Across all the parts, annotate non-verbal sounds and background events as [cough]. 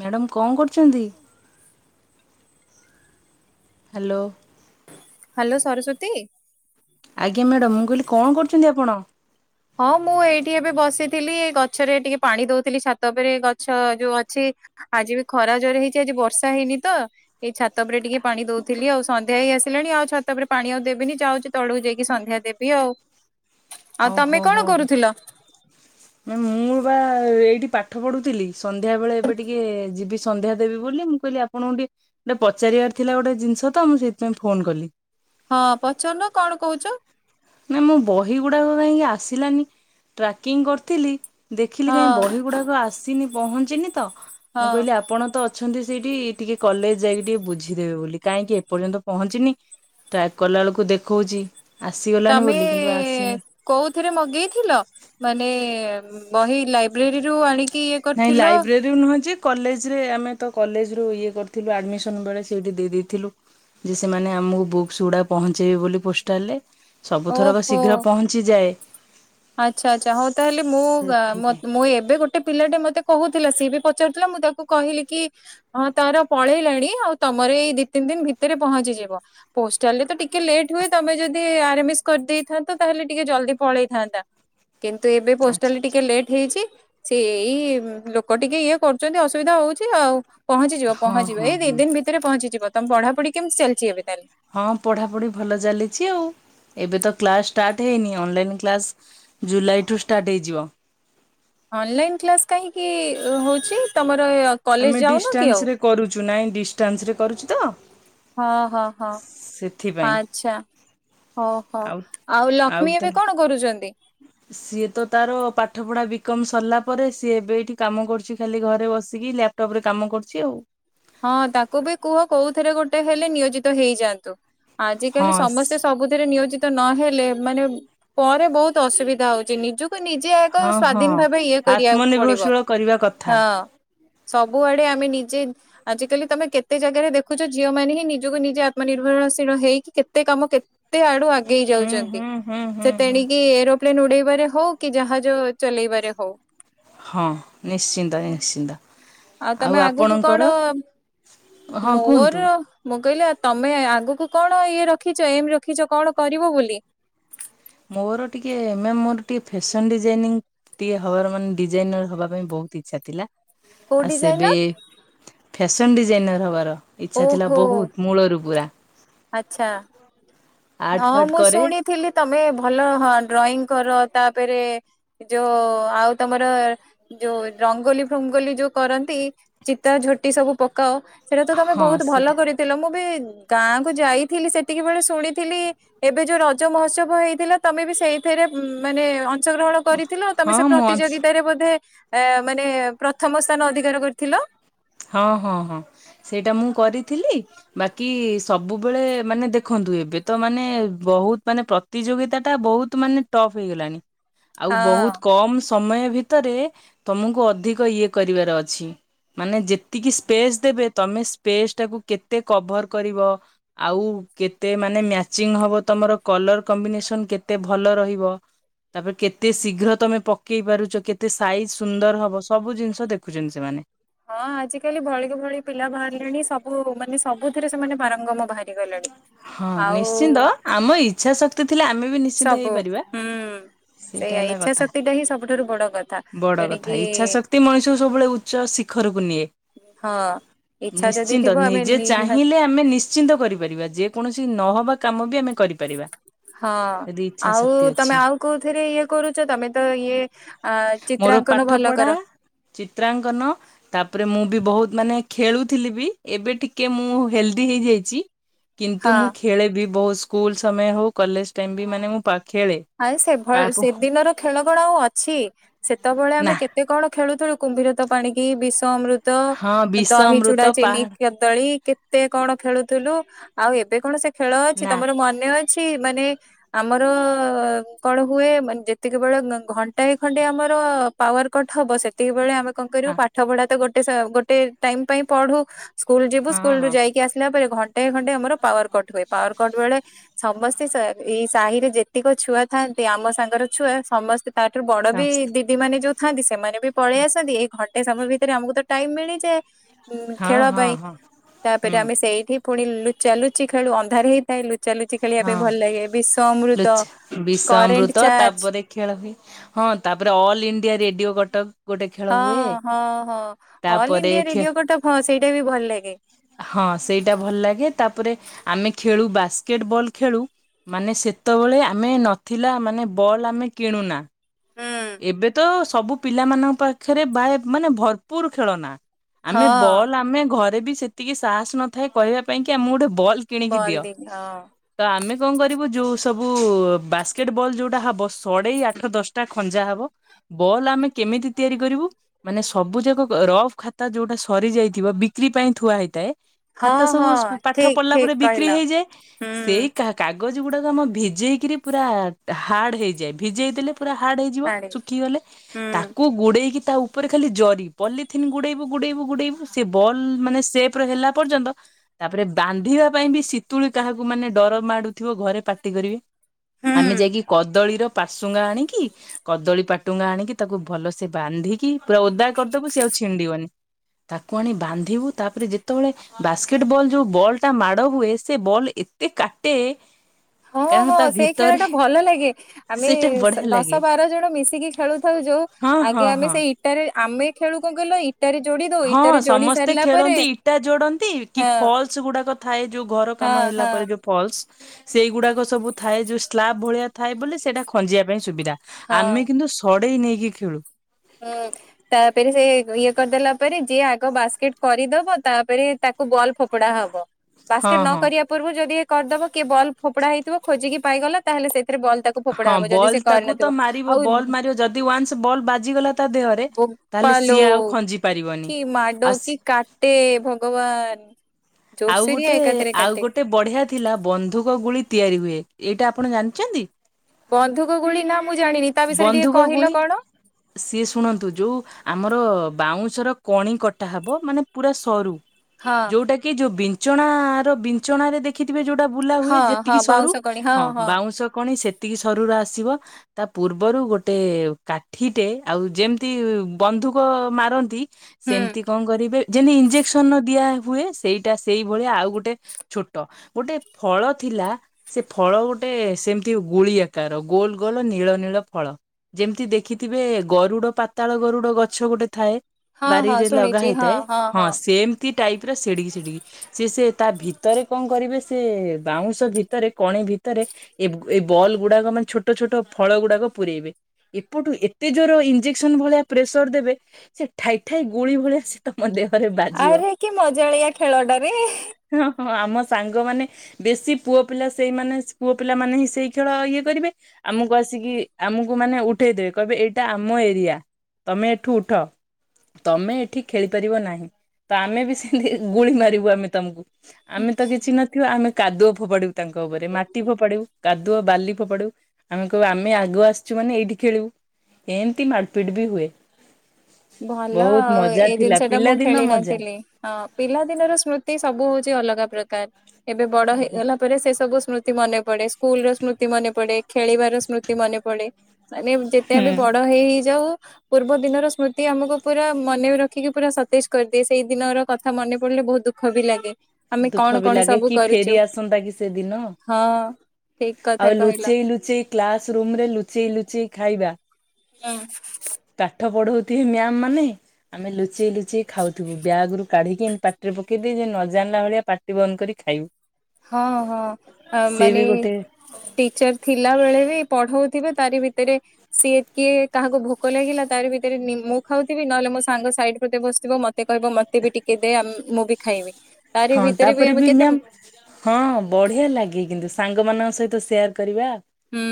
Madam କଣ କରୁଛନ୍ତି? Hello. Hello Saraswati. ଆଜ୍ଞା ମ୍ୟାଡ଼ାାମ, ମୁଁ କହିଲି କଣ କରୁଛନ୍ତି ଆପଣ? ହଁ ମୁଁ ଏଇଠି ଏବେ ବସିଥିଲି, ଗଛରେ ଟିକେ ପାଣି ଦଉଥିଲି, ଛାତ ଉପରେ ଗଛ ଯୋଉ ଅଛି। ଆଜି ବି ଖରା ଜୋରେ ହେଇଛି ଆଜି ବର୍ଷା ହେଇନି ତ। ଏଇ ଛାତ ଉପରେ ଟିକେ ପାଣି ଦଉଥିଲି ଆଉ, ସନ୍ଧ୍ୟା ହେଇ ଆସିଲାଣି ଆଉ ଛାତ ଉପରେ ପାଣି ଆଉ ଦେବେନି ଯାଉଚି ତଳକୁ ଯାଇକି ସନ୍ଧ୍ୟା ଦେବି ଆଉ। ଆଉ ତମେ କଣ କରୁଥିଲ? ନା ମୁଁ ବା ଏଇଠି ପାଠ ପଢୁଥିଲି, ସନ୍ଧ୍ୟା ବେଳେ ଏବେ ଟିକେ ଯିବି ସନ୍ଧ୍ୟା ଦେବି ବୋଲି, ମୁଁ କହିଲି ଆପଣଙ୍କୁ ଟିକେ ଗୋଟେ ପଚାରିବାର ଥିଲା ଗୋଟେ ଜିନିଷ ତ ମୁଁ ସେଇଥିପାଇଁ ଫୋନ କଲି। ହଁ ପଚାରୁନ କଣ କହୁଛ। ନା ମୁଁ ବହି ଗୁଡାକ କାହିଁକି ଆସିଲାନି, ଟ୍ରାକିଂ କରିଥିଲି। ଦେଖିଲି ହଁ କାହିଁ ବହି ଗୁଡାକ ଆସିନି ପହଞ୍ଚିନି ତ, ହଁ ମୁଁ କହିଲି ଆ ଆପଣ ତ ଅଛନ୍ତି ସେଇଠି ଟିକେ କଲେଜ ଯାଇକି ଟିକେ ବୁଝିଦେବେ ବୋଲି, କାହିଁକି ଏପର୍ଯ୍ୟନ୍ତ ପହଞ୍ଚିିନି। ଟ୍ରାକ୍ କଲାବେେଳକୁ ଦେଖାଉଛି। ତମେ କୋଉଥିରେ ମଗେଇଥିଲ, ମାନେ ବହି ଲାଇବ୍ରେରୀରୁ ଆଣି ନାଇଁ ଲାଇବ୍ରେରୀ ନୁହେଁ ଯେ କଲେଜରେ ଆମେ ତ କଲେଜରୁ ଇଏ କରିଥିଲୁ ଆଡମିସନ ବେଳେ ସେଇଠି ଦେଇ ଦେଇଥିଲୁ। ଯେ ସେମାନେ ଆମକୁ ବୁକ୍ସଗୁଡ଼ାକ ପହଞ୍ଚାଇବେ ବୋଲି ପୋଷ୍ଟାଲ୍ ରେ। ଓହୋ ଆଚ୍ଛା ଆଛା ହଉ। ତାହେଲେ ମୁଁ ବା ସେଥିପାଇଁ ମୁଁ ଏବେ ଗୋଟେ ଗୋଟେ ପିଲାଟେ ମତେ କହୁଥିଲା, ସିଏ ବି ପଚାରୁଥିଲା ମୁଁ ତାକୁ କହିଲି କି ହଁ ତାର ପଳେଇଲାଣି, ଆଉ ତମର ଏଇ ଦି ତିନି ଦିନ ଭିତରେ ପହଞ୍ଚିଯିବ। ପୋଷ୍ଟାଲରେ ତ ଟିକେ ଲେଟ୍ ହୁଏ, ତମେ ଯଦି ଆରି ଭି କରିଦେଇଥାନ୍ତ ତାହେଲେ ଟିକେ ଜଲଦି ପଳେଇଥାନ୍ତା। କିନ୍ତୁ ଏବେ ଆଚ୍ଛା ପୋଷ୍ଟାଲରେ ଆଚ୍ଛା ଟିକେ ଲେଟ୍ ହେଇଛି। ସେ ଏଇ ଲୋକ ଟିକେ ଇଏ କରୁଛନ୍ତି ଅସୁବିଧା ହଉଛି ଆଉ। ପହଞ୍ଚିଯିବ ହଁ ପହଞ୍ଚିବ, ହଁ ଏଇ ଦି ହଁ ତିନ୍ ଦିନ ଭିତରେ ପହଞ୍ଚିଯିବ, ତମ ପଢା ପଢି କେମିତି ଚାଲିଛି ଏବେ ତାହେଲେ? ହଁ ପଢ଼ାପଢ଼ି ଭଲ ଚାଲିଛି ଆଉ, ଏବେ ତ କ୍ଲାସ ଷ୍ଟାର୍ଟ ହେଇନି ଅନଲାଇନ କ୍ଲାସ୍ ଜୁଲାଇଠୁ ଷ୍ଟାର୍ଟ ହେଇଯିବ। ଅନଲାଇନ୍ କ୍ଲାସ୍ କାହିଁକି ହଉଛି ତମର କଲେଜ ଆମେ ଯାଉନ କି ଆଉ? ଡିଷ୍ଟାନ୍ସରେ କରୁଛୁ ନାଇଁ ଡିଷ୍ଟାନ୍ସରେ କରୁଚୁ ତ। ହଁ ହଁ ହଁ। ସେଥିପାଇଁ। ଆଚ୍ଛା ହ ହୋ ଆଉ ଆଉ ଲକ୍ଷ୍ମୀ ଏବେ କଣ କରୁଚନ୍ତି। [inaudible] ସିଏ ତ ତାର ପାଠପଢ଼ା ବି କମ୍ ସରିଲା ପରେ ସିଏ ଏବେ ଏଇଠି କାମ କରୁଛି ଖାଲି ଘରେ ବସିକି ଲାପ୍ ଟପ ରେ କାମ କରୁଛି ଆଉ। ହଁ ତାକୁ ବି କୁହ କୋଉଥିରେ ଗୋଟେ ହେଲେ ନିୟୋଜିତ ହେଇଯାଆନ୍ତୁ। ଆଜ କାଲି ହଁ ସମସ୍ତେ ସବୁଥିରେ ନିୟୋଜିତ ତ ନହେଲେ ମାନେ ପରେ ବହୁତ ଅସୁବିଧା ହଉଛି ନିଜକୁ କୁ ନିଜେ ଏକ ହଁ ହଁ। ସ୍ଵାଧୀନ ଭାବେ ଇଏ କରିବାକୁ ପଡିବ ଆତ୍ମନିର୍ଭରଶୀଳ କରିବା କଥା ହଁ। ସବୁଆଡେ ଆମେ ନିଜେ ଆଜିକାଲି ତମେ କେତେ ଜାଗାରେ ଦେଖୁଛ ଝିଅ ମାନେ ହିଁ ନିଜକୁ ନିଜେ ଆତ୍ମନିର୍ଭରଶୀଳ ହେଇକି କେତେ କାମ କେ ତେ ଆଡୁ ଆଗେଇ ହୁଁ ଯାଉଚନ୍ତି। ହୁଁ ହୁଁ ହୁଁ ସେ ହୁଁ। ତେଣିକି ଏରୋପ୍ଲେନ ଉଡେଇବାରେ ହଉ କି ଜାହାଜ ଚଲେଇବାରେ ହଉ। ହଁ ନିଶ୍ଚିନ୍ତ ନିଶ୍ଚିନ୍ତ। ଆଉ ତମେ ଆଗକୁ କଣ ହଁ କୁହନ୍ତୁ। ମୋର ମୁଁ କହିଲି ତମେ ଆଗକୁ କଣ ଇଏ ରଖିଛ ଏମ୍ ରଖିଛ କଣ କରିବ ବୋଲି। ମୋର ଟିକେ ଏମ ମ ମୋର ଟିକେ ଫ୍ୟାସନ ଡିଜାଇନିଂ ଟିକେ ହବାର ମାନେ ଡିଜାଇନର ହବା ପାଇଁ ବହୁତ ଇଚ୍ଛା ଥିଲା। କୋଉ ଆ ସେବେ ଡିଜାଇନର ଫ୍ୟାସନ ଡିଜାଇନର ହବାର ଇଚ୍ଛା ଥିଲା ବହୁତ ମୂଳରୁ ପୁରା। ଆଛା। ଆର୍ଟ ହଁ ଫାର୍ଟ ମୁଁ କରେ ଶୁଣିଥିଲି ତମେ ଭଲ ହଁ ଡ୍ରଇଂ କର ତାପରେ ଯୋଉ ଆଉ ତମର ଯୋଉ ରଙ୍ଗୋଲି ଫଙ୍ଗୋଲି ଯୋଉ କରନ୍ତି ଚିତା ଝୋଟି ସବୁ ପକାଅ ସେଇଟା ତ ତମେ ହଁ ବହୁତ ସେଟା ଭଲ କରିଥିଲ ମୁଁ ବି ଗାଁକୁ ଯାଇଥିଲି ସେତିକି ବେଳେ ଶୁଣିି ଥିଲି ଏବେ ଯୋଉ ରଜ ମହୋତ୍ସବ ହେଇଥିଲା ତମେ ବି ସେଇଥିରେ ମାନେ ଅ ଅଂଶଗ୍ରହଣ କରିଥିଲ ତମେ ହଁ ସେ ମୁଁ ପ୍ରତିଯୋଗିତାରେ ବୋଧେ ଏ ମାନେ ପ୍ରଥମ ସ୍ଥାନ ଅଧିକାର କରିଥିଲ। ହଁ ହଁ ହଁ ସେଇଟା ମୁଁ କରିଥିଲି। ବାକି ସବୁବେଳେ ମାନେ ଦେଖନ୍ତୁ ଏବେ ତ ମାନେ ବହୁତ ମାନେ ପ୍ର ତିଯୋଗିତା ବହୁତ ମାନେ ଟପ୍ ହେଇଗଲାଣି ଆଉ ହଁ ବହୁତ କମ୍ ସ ମୟ ଭିତରେ ତମକୁ ଅଧିକ ଇଏ କରିବାର ଅଛି ମାନେ ଯେତେ ତିକୀ ସ୍ପେସ ଦେବେ ତମେ ସ୍ପେସ୍ ଟାକୁ କେତେ କଭର କରିବ ଆଉ କେତେ ମାନେ ମ୍ୟାଚିଂ ହବ ତମର କଲର କମ୍ବିନେସନ କେତେ ଭଲ ରହିବ। ତାପରେ କେତେ ଶୀଘ୍ର ତମେ ପକେଇ ପାରୁଚ କେତେ ସାଇଜ ସୁନ୍ଦର ହବ ସବୁ ଜିନିଷ ଦେଖୁଚନ୍ତି ସେମାନେ। ହଁ ଆଜିକାଲି ଭଳିକୁ ଭଳି ପିଲା ବାହାରିଲେଣି ସବୁ ମାନେ ସବୁଥିରେ ସେମାନେ ପାରଙ୍ଗମ ବାହାରି ଗଲାଣି। ହଁ ନିଶ୍ଚିନ୍ତ ଆମ ଇଚ୍ଛା ଶକ୍ତି ଥିଲେ ଆମେ ବି ନିଶ୍ଚିନ୍ତ ସବୁ ହେଇପାରିବା। ହୁଁ। ସେଇଟା ସେଇଆ ହେଲା ଇଚ୍ଛା କଥା ଶକ୍ତି ଟା ହିଁ ସବୁଠାରୁ ବଡ କଥା ବଡ କଥା ତେଣିକି ଇଛା ଶକ୍ତି ମଣିଷକୁ ସବୁବେଳେ ଉ ଚ ଶିଖରକୁ ନିଏ ହଁ। ଇଚ୍ଛା ଯଦି ନିଶ୍ଚିନ୍ତ ଥିବ ଆମେ ନିଜେ ନିହା ଚାହିଁଲେ ଆ ମେ ନିଶ୍ଚିନ୍ତ କରିପାରିବା ଯେକୌଣସି ନହବା କାମ ବି ଆମେ କରିପାରିବା। ହଁ ଯଦି ଇଚ୍ଛା ଆଉ ଶକ୍ତି ଅଛି ତମେ ଆଉ କୋଉଥିରେ ଇଏ କରୁଛ ତମେ ତ ଇଏ ଅ ମୋର ପାଠ ଚିତ୍ରାଙ୍କନ ଭଲ ପଢା କର। ଚିତ୍ରାଙ୍କନ ତାପରେ ମୁଁ ବି ବହୁତ୍ ମାନେ ଖେଳୁଥିଲି ବି ଏବେ ଟିକେ ମୁଁ ହେଲ୍ଡି ହେଇଯାଉଚି। କିନ୍ତୁ ହଁ। ମୁଁ ଖେଳେ ବି ବହୁତ ସ୍କୁଲ ସମୟ ହଉ କଲେଜ ଟାଇମ ବି ମାନେ ମୁଁ ପା ଖେଳେ। ଆଇ ସେଭଳି ପାପ ସେଦିନର ଖେଳ କଣା ଆଉ ଅଛି ସେତେବେଳେ ଆମେ ନା କେ ସେ କ'ଣ ଖେଳୁଥେଳୁ କୁମ୍ଭୀରତା ପାଣିକି ବିଷ ଅମୃତ ହଁ ବିଷ ଦହି ଅମୃତ ଚୁଡା ପାହାଡ଼ ଚିନି୍ଷ ଦଳି କେତେ କ'ଣ ଖେଳୁଥିଲୁ ଆଉ ଏବେ କ'ଣ ସେ ଖେଳ ଅଛି ନା ତମର ମନେ ଅଛି ଛି ମାନେ ଆମର କ'ଣ ହୁଏ ଯେତିକବେଳେ ଘଣ୍ଟାଏ ଖଣ୍ଡେ ଆମର ପାୱାର କଟ ହବ ସେ ସେତିକ ବେଳେ ଆମେ କ'ଣ କରିବୁ ହଁ ପାଠ ପଢା ତ ଗୋଟେ ଗୋଟେ ଟାଇମ ପାଇଁ ପଢୁ ସ୍କୁଲ ଯିବୁ ହଁ ସ୍କୁଲରୁୁ। ହଁ ଯାଇକି ଆସ ଥିଲା ପରେ ଘଣ୍ଟେ ଘଣ୍ଟେ ଆମର ପାୱାର କଟ ହୁଏ ପାୱାର କଟ ବେଳେ ସମସ୍ତେ ଏଇ ସାହିରେ ଯେ ପ୍ରତିକ ଛୁଆ ଥାଆନ୍ତି। ଆମ ସାଙ୍ଗର ଛୁଆ ସମସ୍ତେ ତାଠାରୁ ବଡ ବି ସମସ୍ତେ ଦିଦି ମାନେ ଯୋଉ ଥାଆନ୍ତି। ସେମାନେ ବି ପଳେଇ ଆସନ୍ତି। ଏଇ ଘଟେ ସମୟ ଭିତରେ ଆମକୁ ଟାଇମ ମିଳି ଯେ ଉ ହଁ ଖେଳ ହଁ ପାଇଁ ହଁ ହଁ ତାପରେ ହୁଁ ଆମେ ସେଇଠି ପୁଣିୁଚାଲୁଚି ଖେଳୁ ଅନ୍ଧାର ହେଇ ଖାଇ ଲୁଚା ଲୁଚି ଖେଳିବା ପାଇଁ ଭଲ ଲାଗେ ବିଶ ଅମୃତ ବିଶ କରେଣ୍ଟ ଅମୃତ ଚାର୍ଜ ତାପରେ ଖେଳ ହୁଏ ହଁ ତାପରେ ଅଲ ଇଣ୍ଡିଆ ରେଡିଓ କଟକ ଗୋଟେ ଖେଳ ହଁ ହୁଏ। ହଁ ହଁ ଅଲ୍ ତାପରେ ଇଣ୍ଡିଆ ଖେ ରେଡିଓ କଟା ସେଇଟା ବି ଭଲ ଲାଗେ ହଁ ସେଇଟା ଭଲ ଲାଗେ ତାପରେ ଆମେ ଖେଳୁ ବାସ୍କେଟ ବଲ୍ ଖେଳୁ ମାନେ ସେତେବେଳେ ଆମେ ନଥିଲା ମାନେ ବଲ୍ ଆମେ କିଣୁନା ହୁଁ ଏବେ ତ ସବୁ ପିଲାମାନଙ୍କ ପାଖରେ ବା ମାନେ ଭରପୁର ଖେଳନା ଆମେ ହଁ ବଲ୍ ଆମେ ଘରେ ବି ସେତିକି ସାହସ ନଥାଏ କହିବା ପାଇଁ କି ଆମ ଗୋଟେ ବଲ୍ କିଣିକି ବଲ ଦିଅ ଦିନ ତ ଆମେ କଣ କରିବୁ ଯୋଉ ସବୁ ବାସ୍କେଟ ବଲ୍ ଯୋଉଟା ହବ ସଢଡେଇ ଆଠ ଦଶଟା ଖଞ୍ଜା ହବ ବଲ୍ ଆମେ କେମିତି ତିଆରି କରିବୁ ମାନେ ସବୁ ଯାକ ରଫ ଖାତା ଯୋଉଟା ସରିଯାଇଥିବ ବିକ୍ରି ପାଇଁ ଥୁଆ ହେଇଥାଏ ହଁ ଖାତ ହଁ ହଁ ସବୁ ପାଠ ଠିକ ପଢିଲା ଠିକ ପରେ ବିକ୍ରି କହିଲ ହେଇଯାଏ ସେଇ ହୁଁ କାହା କାଗଜ ଗୁଡାକ ଆମ ଭିଜେଇକିରି ପୁରା ହାର୍ଡ ହେଇଯାଏ ଭିଜେଇ ଦେଲେ ପୁରା ହାର୍ଡ ହେଇଯାଏ ଆଡେ ଶୁଖି ଗଲେ ହୁଁ। ତାକୁ ଗୋଡେଇକି ତା ଉପରେ ଖାଲି ଜରି ପଲିଥନ୍ ଗୁଡେଇବୁ ଗୁଡେଇବୁ ଗୁଡେଇବୁ ସେ ବଲ୍ ମାନେ ସେପ ହେଲା ପର୍ଯ୍ୟନ୍ତ ତାପରେ ବାନ୍ଧିବା ପାଇଁ ବି ଶୀତୁଳି କାହାକୁ ମାନେ ଡର ମାଡୁଥିବ ଘରେ ପାଟି କରିବେ ଆମେ ହୁଁ ଯାଇକି କଦଳୀର ପାଶୁଙ୍ଗା ଆଣିକି କଦଳୀ ପାଟୁଙ୍ଗା ଆଣିକି ତାକୁ ଭଲସେ ବାନ୍ଧିକି ପୁରା ଓଦା କରିଦବୁ ସେ ଆଉ ଛିଣ୍ଡିବନି ତାକୁ ଆଣି ବାନ୍ଧିବୁ ତାପରେ ଯେତେବେଳେ ବାସ୍କେଟ ବଲ୍ ଯୋଉ ବଲ୍ ଟା ମାଡ ହୁଏ ସେ ବଲ୍ ଏତେ କାଟେ ହଁ କାରଣ ତା ହଁ ସେଇ ଖେଳ ଭିତରେ ଟା ଭଲ ଲାଗେ ଆମେ ସେଇଟା ବଢିଆ ଲାଗେ। ଦଶ ବାର ଜଣ ମିଶିକି ଖେଳୁଥାଉ ଯୋଉ ହଁ ଆଗେ ହଁ ଆମେ ହଁ। ସେଇ ଇଟାରେ ଆମେ ଖେଳୁ କ'ଣ ଗଲ ଇଟାରେ ଯୋଡି ଦଉ ହଁ ଇଟାରେ ଯୋଡି ସମସ୍ତେ ସାରିଲା ପରେ ଖେଳନ୍ତି ଇଟା ଯୋଡନ୍ତି କି ହଁ ଫଲସ ଗୁଡାକ ଥାଏ ଯୋଉ ଘର ହଁ କାମ ହେଲା ହଁ ପରେ ଯୋଉ ଫଲ୍ସ ସେଇଗୁଡାକ ସବୁ ଥାଏ ଯୋଉ ସ୍ଲାବ ଭଳିଆ ଥାଏ ବୋଲି ସେଇଟା ଖଞ୍ଜିବା ପାଇଁ ସୁବିଧା ହଁ ଆମେ କିନ୍ତୁ ସଡେଇ ନେଇକି ଖେଳୁ। ହୁଁ ତାପରେ ସେ ଇଏ କରିଦେଲା ପରେ ଯିଏ ଆଗ ବାସ୍କେଟ କରିଦବ ତାପରେ ତାକୁ ବଲ୍ ଫୋପଡା ହବ। ହଁ ବାସ୍କେଟ ନ ହଁ କରିବା ପୂର୍ବରୁ ଯଦି ଏ କରିଦବ କିଏ ବଲ୍ ଫୋପଡା ହେଇଥିବ ଖୋଜିକି ପାଇଗଲା। ତାହେଲେ ସେଇଥିରେ ବଲ୍ ତାକୁ ହଁ ଫୋପଡା ହବ ଯଦି ସେ କରିନଥିବ ଆଉ ଦି ଉଆନ୍ସ ବଲ ବାଜିଗଲା ତା ଦେହରେ ତାହେଲେ ସିଏ ବୋପାଲୋ ଆଉ ଖଞ୍ଜି ପାରିବନି ଆଉ ସି ଟେ ଭଗବାନ ଆଉ ଜୋରସୋରିଆ ଗୋଟେ ଏକାଥରେ ଆଉ କାଟେ। ଗୋଟେ ବଢିଆ ଥିଲା ବନ୍ଧୁକ ଗୁଳି ତିଆରି ହୁଏ ଏଇଟା ଆପଣ ଜାଣିଛନ୍ତି। ବନ୍ଧୁକ ଗୁଳି ନା ମୁଁ ଜାଣିନି ତା ବିଷୟରେ ଟିକେ ବନ୍ଧୁକ ଗୁଳି କହିଲ କ'ଣ? ସିଏ ଶୁଣନ୍ତୁ ଯୋଉ ଆମର ବାଉଁଶର କଣି କଟା ହବ ମାନେ ପୁରା ସରୁ ହଁ ଯୋଉଟା କି ଯୋଉ ବିଞ୍ଚଣା ର ବିଞ୍ଚଣାରେ ଦେ ଦେଖିଥିବେ ଯୋଉଟା ବୁଲା ହୁଏ ହଁ ହଁ ଯେତିକି ସରୁ ବାଉଁଶ କଣି ହଁ ବାଉଁଶ କଣି ସେତିକି ସରୁ ର ଆସିବ। ତା ପୂର୍ବରୁ ଗୋଟେ କାଠିଟେ ଆଉ ଯେମିତି ବନ୍ଧୁକ ମାରନ୍ତି। ହୁଁ ସେମତି କଣ କରିବେ ଯେନ୍ତୀ ଇଞ୍ଜେକ୍ସନ ଦିଆ ହୁଏ ସେଇଟା ସେଇଭଳିଆ ଆଉ ଗୋଟେ ଛୋଟ ଗୋଟେ ଫଳ ଥିଲା। ସେ ଫଳ ଗୋଟେ ସେମତି ଗୁଳି ଆକାର ଗୋଲ ଗୋଲ ନୀଳ ନୀଳ ଫଳ। ଯେମିତି ଦେଖିଥିବେ ଗରୁଡ ପାତାଳ ଗରୁଡ ଗଛ ଗୋଟେ ଥାଏ। ହଁ ହଁ ବାରିରେ ଲଗା ଶୁଣିଛି ହଁ ହେଇଥାଏ ହଁ ସେମତି ଟାଇପ୍ ର ସେିଡିକି ଡିକି ସେ ସେ ତା ଭିତରେ କଣ କରିବେ ସେ ବାଉଁଶ ଭିତରେ କଣି ଭିତରେ ଏ ଏଇ ବଲ୍ ଗୁଡାକ ମାନେ ଛୋଟ ଛୋଟ ଫଳ ଗୁଡାକ ପୁରେଇବେ। ଏପଟୁ ଏତେ ଜୋର ଇଞ୍ଜେକ୍ସନ ଭଳିଆ ପ୍ରେସର ଦେବେ ସେ ଠାଇ ଠାଇ ଗୁଳି ଭଳିଆ ତମ ଦେହରେ ବାଜିବ। ଆରେ କି ମଜାଳିଆ ଖେଳଟାରେ। ହ ହଁ ଆମ ସାଙ୍ଗମାନେ ବେଶୀ ପୁଅ ପିଲା ସେଇମାନେ ପୁଅ ପିଲା ମାନେ ହିଁ ସେଇ ଖେଳ ଇଏ କରିବେ ଆମକୁ ଆସିକି ଆମକୁ ମାନେ ଉଠେଇଦେବେ କହିବେ ଏଇଟା ଆମ ଏରିଆ। ତମେ ଏଠୁ ଉଠ। ତମେ ଏଠି ଖେଳିପାରିବ ନାହିଁ ତ ଆମେ ବି ସେମିତି ଗୁଳି ମାରିବୁ ଆମେ ତମକୁ। ଆମେ ତ କିଛି ନ ଥିବ ଆମେ କାଦୁଅ ଫୋପାଡୁ ତାଙ୍କ ଉପରେ ମାଟି ଫୋପାଡୁ କାଦୁଅ ବାଲି ଫୋପାଡୁ। ଆମେ କହିବୁ ଆମେ ଆଗ ଆସିଛୁ ମାନେ ଏଇଠି ଖେଳିବୁ ଏମିତି ମାଡପିଟ ବି ହୁଏ। ଭଲ ବହୁତ ଆଉ ମଜା ଏଇ ଥିଲା ଜିନିଷ ଟା ମୁଁ ପିଲାଦିନ ଖେଳି ମଜା। ନଥିଲି ହଁ। ପିଲାଦିନର ସ୍ମୃତି ସବୁ ହଉଛି ଅଲଗା ପ୍ରକାର। ଏବେ ବଡ ହେଇଗଲା ପରେ ସେ ସବୁ ସ୍ମୃତି ମନେ ପଡେ ସ୍କୁଲ ର ସ୍ମୃତି ମନେ ପଡେ ଖେଳିବାର ସ୍ମୃତି ମନେ ପଡେ। ମାନେ ଯେତେ ହୁଁ। ଆମେ ବଡ ହେଇ ହେଇଯାଉ ପୂର୍ବ ଦିନର ସ୍ମୃ ତି ଆମକୁ ପୁରା ମନେ ରଖିକି ପୁରା ସତେଜ କରିଦିଏ ସେଇ ଦିନ ର କଥା ମନେ ପଡିଲେ ବହୁତ ଦୁଃଖ ବି ଲାଗେ। ଆମେ କଣ ଦୁଃଖ ବି କଣ ଲାଗେ ସବୁ କି ଫେରି କରୁଛୁ ଆସନ୍ତା କି ସେଦିନ। ହଁ ଠିକ କଥା ଆଉ କହିଲ ଲୁଚେଇ ଲୁଚେଇ କ୍ଲାସ ରୁମ ରେ ଲୁଚେଇ ଲୁଚେଇ ଖାଇବା। ହୁଁ। ପାଠ ପଢଉଥିବି ମ୍ୟାାମ ମାନେ ଆମେ ଲୁଚେଇ ଲୁଚେଇ ଖାଉଥିବୁ ବ୍ୟାଗ ରୁ କାଢିକି ଏମ୍ ପା ଟିରେ ପକେଇ ଦେଇ ଯେ ନ ଜାଣିଲା ଭଳିଆ ପାଟି ବନ୍ଦ କରି ଖାଇବୁ। ହଁ ହଁ ସିଏ ବି ମାନେ ଗୋଟେ ଟିଚର ଥିଲା ବେଳେ ବି ପଢଉଥିବେ ତାରି ଭିତରେ ସିଏ କିଏ କାହାକୁ ଭୋକ ଲାଗିଲା ତାର ଭିତରେ ନି ମୁଁ ଖାଉଥିବି ନହେଲେ ମୋ ସାଙ୍ଗ ସାଇଡ ପତେ ବସିଥିବ ମ ମତେ କହିବ ମତେ ବି ଟିକେ ଦେ ଆ ମୁଁ ବି ଖାଇବି। ତାରି ହଁ ଭିତରେ ତାପରେ ଆମେ ବି କେତେ ମ୍ୟାମ୍ ହଁ ବଢିଆ ଲାଗେ କିନ୍ତୁ ସାଙ୍ଗମାନଙ୍କ ସହିତ ସେୟାର କରିବା। ହୁଁ।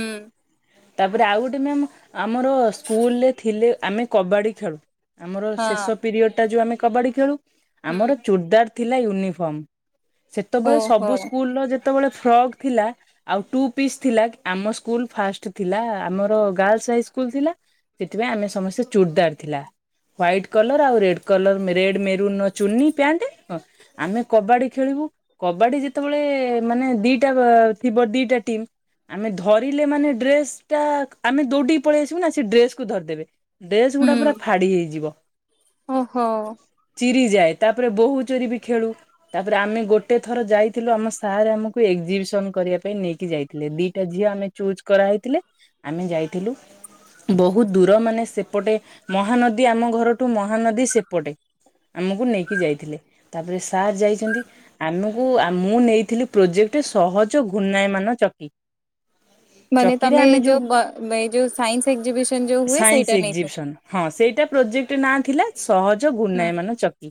ତାପରେ ଆଉ ଗୋଟେ ମ୍ୟାମ୍ ଆମର ସ୍କୁଲରେ ଥିଲେ ଆମେ କବାଡ଼ି ଖେଳୁ। ଆମର ହଁ ଶେଷ ପିରିୟଡ଼ ଟା ଯୋଉ ଆମେ କବାଡି ଖେଳୁ ଆମର ହୁଁ ଚୁରଦାର ଥିଲା ୟୁନିଫର୍ମ। ସେତେବେଳେ ଓହୋ ସବୁ ସ୍କୁଲର ଯେତେବେଳେ ଫ୍ରକ୍ ଥିଲା ଆଉ ଟୁ ପିସ୍ ଥିଲା ଆମ ସ୍କୁଲ ଫାଷ୍ଟ ଥିଲା ଆମର ଗାର୍ଲସ ହାଇ ସ୍କୁଲ ଥିଲା। ସେଥିପାଇଁ ଆମେ ସମସ୍ତେ ଚୋରଦାର ଥିଲା। ହ୍ୱାଇଟ୍ କଲର୍ ଆଉ ରେଡ୍ କଲର ରେଡ୍ ମେରୁନ୍ ଚୁନି ପ୍ୟାଣ୍ଟ୍ ହଁ ଆମେ କବାଡ଼ି ଖେଳିବୁ କବାଡି ଯେତେବେଳେ ମାନେ ଦିଟା ଥିବ ଦିଟା ଟିମ୍ ଆମେ ଧରିଲେ ମାନେ ଡ୍ରେସ ଟା ଆମେ ଦୌଡିକି ପଳେଇ ଆସିବୁ ନା ସେ ଡ୍ରେସକୁୁ ଧରିଦେବେ। ଡ୍ରେସ ଗୁଡା ହୁଁ ପୁରା ଫାଡି ହେଇଯିବ ଓହୋ ଚିରିଯାଏ ତାପରେ ବହୁତ ଚୋରି ବି ଖେଳୁ। ତାପରେ ଆମେ ଗୋଟେ ଥର ଯାଇଥିଲୁ ଆମ ସାରେ ଆମକୁ ଏକ୍ଜିିବିସନ କରିବା ପାଇଁ ନେଇକି ଯାଇଥିଲେ ଦିଟା ଝିଅ ଆମେ ଚୁଜ କରାହେଇଥିଲେ ଆମେ ଯାଇଥିଲୁ। ବହୁତ ଦୂର ମାନେ ସେପଟେ ମହାନଦୀ ଆମ ଘରଠୁ ମହାନଦୀ ସେପଟେ। ଆମକୁ ନେଇକି ଯାଇଥିଲେ ତାପରେ ସାର୍ ଯାଇଛନ୍ତି ଆମକୁ ମୁଁ ନେଇଥିଲି ପ୍ରୋଜେକ୍ଟରେ ସହଜ ଘୁର୍ଣ୍ଣାୟ ମାନ ଚକି। ମାନେ ଚକିରେ ତମେ ଏ ଆମେ ଯୋଉ ଯେଉଁ ଏଇ ଯେଉଁ ସାଇନ୍ସ ଏକ୍ଜିବିସନ୍ ଯେଉଁ ହୁଏ ସାଇନ୍ସ ସେଇଟା ନେଇଥାନ୍ତ। ଏକ୍ଜିବିସନ ହଁ ସେଇଟା ପ୍ରୋଜେକ୍ଟ ନାଁ ଥିଲା ସହଜ ହୁଁ ଗୁର୍ଣ୍ଣାୟ ମାନ ଚକି।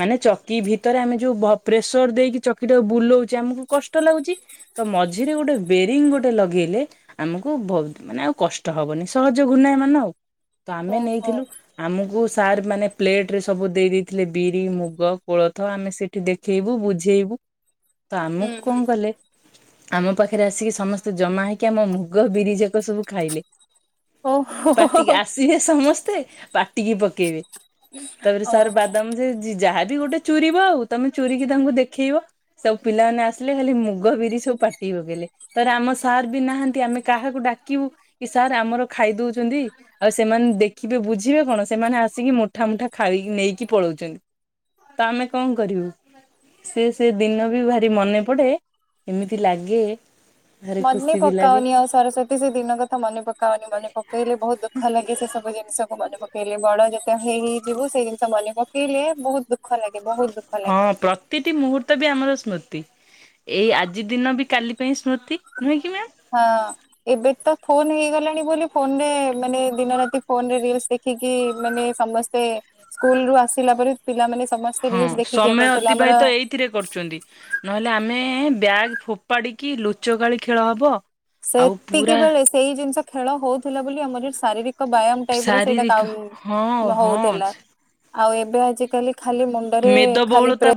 ମାନେ ଚକି କି ଭିତରେ ଆମେ ଯୋଉ ବ ପ୍ରେସର ଦେଇକି ଚକିଟାକୁ ବୁଲଉଛଚେ ଆମକୁ କଷ୍ଟ ଲାଗୁଚି। ତ ମଝିରେ ଗୋଟେ ବେରିଙ୍ଗ ଗୋଟେ ଲଗେଇଲେ ଆମକୁ ବହୁ ମାନେ ଆଉ କଷ୍ଟ ହବନି। ସହଜ ଘୂର୍ଣୟ ମାନ ଆଉ। ତ ଆମେ ଓହୋ ନେଇଥିଲୁ ଆମକୁ ସାର୍ ମାନେ ପ୍ଲେଟରେ ସବୁ ଦେଇ ଦେଇେଇଥିଲେ ବିରି, ମୁଗ। କୋଳଥ ଆମେ ସେଇଠି ଦେଖେଇବୁ, ବୁଝେଇବୁ। ତ ହୁଁ ଆମକୁ ହୁଁ କଣ କଲେ ଆମ ପାଖରେ ଆସିକି ସମସ୍ତେ ଜମା ହେଇକି ଆମ ମୁଗ ବିରିଯାକ ସବୁ ଖାଇଲେ। ପାଟିକି ଓହୋ ଆସିବେ ସମସ୍ତେ ପାଟିକି ପକେଇବେ। ତାପରେ ସାର୍ ଓହୋ ବାଦାମ ଯେ ଯ ଯାହାବି ଗୋଟେ ଚୁରିବ ଆଉ ତମେ ଚୁରିକି ତାଙ୍କୁ ଦେଖେଇବ। ସବୁ ପିଲାମାନେ ଆସିଲେ ଖାଲି ମୁଗ ବିରି ସବୁ ପାଟି ପକେଇଲେ। ତାରେ ଆମ ସାର୍ ବି ନାହାନ୍ତି। ଆମେ କାହାକୁ ଡାକିବୁ କି ସାର୍ ଆମର ଖାଇ ଦଉଚନ୍ତି? ଆଉ ସେମାନେ ଦେଖିବେ ବୁଝିବେ କଣ? ସେମାନେ ଆସିକି ମୁଠା ମୁଠା ଖାଇ ନେଇକି ପଳଉଚନ୍ତି। ତ ଆମେ କଣ କରିବୁ? ସେ ସେଇ ଦିନ ବି ଭାରି ମନେ ପଡେ। ଏମିତି ଲାଗେ ଭାରି ମନି ଖୁସି ବି ଲାଗେ। ପକାଉନି ଆ ସରସ୍ଵତୀ ସେ ଦିନ କଥା ମନେ ପକାଅନି। ମନେ ପକେଇଲେ ବହୁତ ଦୁଃଖ ଲାଗେ ସେ ସବୁିନିଷକୁ ମନେ ପକ ପକେଇଲେ। ବଡ ଯେତେ ହେଇ ହେଇଯିବୁ ସେଇ ଜିନିଷ ମନେ ପକେଇଲେ ବହୁତ ଦୁଃଖ ଲାଗେ ବହୁତ ଦଃ ହଁ ପ୍ର ତିଟି ମୁହୂର୍ତ୍ତ ବି ଆମର ସ୍ମୃତି। ଏଇ ଆଜି ଦିନ ବି କାଲି ପାଇଁ ସ୍ମୃତି ନୁହେଁ କି ମାମ୍? ହଁ ଏବେ ତ ଫୋନ ହେଇଗଲାଣି ବୋଲି ଫୋନରେ ମାନେ ଦିନ ରାତି ଫୋନରେ ରିଲସ ଦେ ଖିକି ମାନେ ସମସ୍ତେ ସ୍କୁଲରୁ ଆସିଲା ପରେ ପିଲାମାନେ ସମସ୍ତେ ରିଲସ ଦେଖିକି ଇଏ କରିଥିଲେ ଆମର ଥିରେ କରୁଚନ୍ତି। ନହେଲେ ଆମେ ବ୍ୟାଗ୍ ଫୋପାଡ଼ିକି ଲୁଚକାଳି ଖେଳ ହବ। ଆଉ ପୁରା ସେତିକିିବେଳେ ସେଇ ଜିନିଷ ଖେଳ ହଉଥିଲା ବୋଲି ଆମର ଯୋ ଶାରୀରିକ ବ୍ୟାୟାମ ଟାଇପର ସେଇଟା ଶାରୀରିକ କାମ୍ ହଁ ମ ହଁ ହଉଥିଲା ଆଉ ଏବେ ଆଜିିକାଲି ଖାଲି ମୁଣ୍ଡରେ ମେଦ ଖାଲି ବହୁଳତା ପ୍ରେ